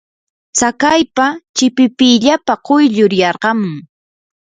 tsakaypa chipipillapa quyllur yarqamun.